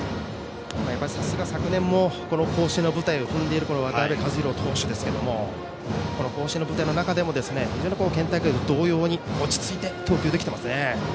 さすが昨年も甲子園の舞台を踏んでいる渡辺和大投手ですけどもこの甲子園の舞台の中でも県大会と同様に落ち着いて投球できていますね。